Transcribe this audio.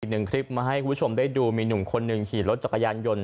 หนึ่งคลิปมาให้คุณผู้ชมได้ดูมีหนุ่มคนหนึ่งขี่รถจักรยานยนต์